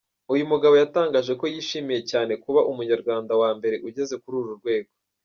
Uyu mugabo yatangaje ko yishimiye cyane kuba umunyarwanda wa mbere ugeze kuri uru rwego.